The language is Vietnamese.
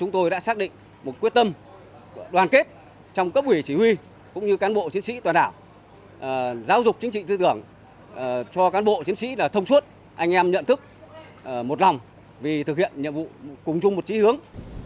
chúng tôi đã xác định một quyết tâm đoàn kết trong cấp ủy chỉ huy cũng như cán bộ chiến sĩ toàn đảo giáo dục chính trị tư tưởng cho cán bộ chiến sĩ là thông suốt anh em nhận thức một lòng vì thực hiện nhiệm vụ cùng chung một chí hướng